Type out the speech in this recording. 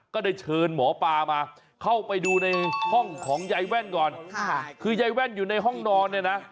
ก็ได้เชิญหมอปลามาเข้าไปดูในห้องของยายแว่นก่อนค่ะคือยายแว่นอยู่ในห้องนอนเนี่ยนะ